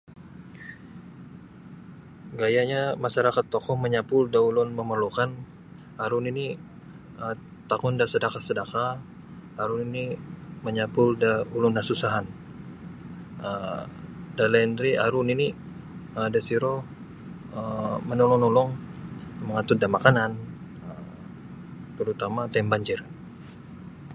Gayanyo masyarakat tokou manyapul da ulun mermelukan aru nini tokon da sadakah-sadakah aru nini manyapul da ulun nasusaan um salain ri aru da siro um manulung-nulung mangatud da makanan um terutama taim banjir.